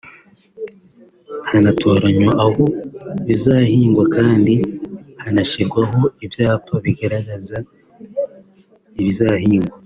hakanatoranywa aho bizahingwa kandi hakanashyirwaho ibyapa bigaragaza ibizahingwa